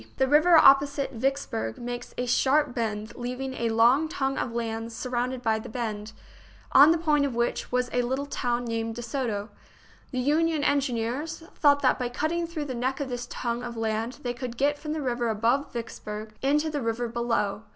The river opposite Vicksburg makes a sharp bend, leaving a long tongue of land surrounded by the bend, on the point of which was a little town named De Soto. The Union engineers thought that by cutting through the neck of this tongue of land they could get from the river above Vicks THE BOOK OF FAMOUS SIEGES burg into the river below.